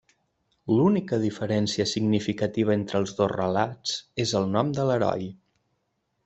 L'única diferència significativa entre els dos relats és el nom de l'heroi.